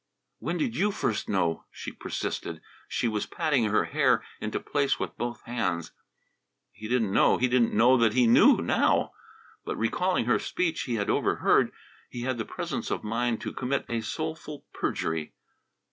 "When did you first know?" she persisted. She was patting her hair into place with both hands. He didn't know; he didn't know that he knew now; but recalling her speech he had overheard, he had the presence of mind to commit a soulful perjury.